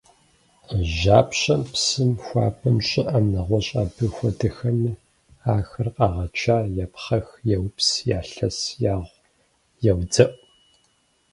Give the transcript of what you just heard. Жьапщэм, псым, хуабэм, щIыIэм, нэгъуэщI абы хуэдэхэми ахэр къагъачэ, япхъэх, яупс, ялъэс, ягъу, яудзэIу.